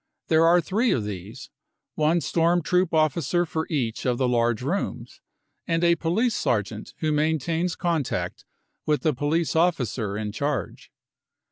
5 There are three of these : one storm troop officer for each of the large rooms, and a police sergeant who maintains contact with the police officer in charge.